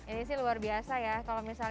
ini sih luar biasa ya